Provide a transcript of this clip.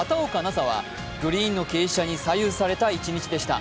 紗はグリーンの傾斜に左右された一日でした。